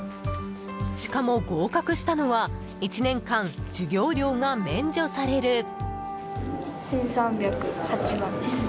しかも、合格したのは１年間授業料が免除される。